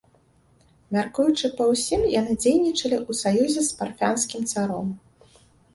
Мяркуючы па ўсім, яны дзейнічалі ў саюзе з парфянскім царом.